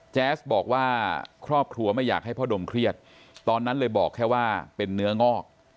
แจ๊สบอกว่าครอบครัวไม่อยากให้พ่อดมเครียดตอนนั้นเลยบอกแค่ว่าเป็นเนื้องอก